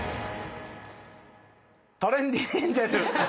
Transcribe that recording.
トレンディエンジェル岩井